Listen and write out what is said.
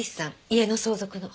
家の相続の。